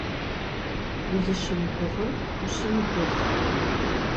Узыщымыгугъын ущымыгугъ.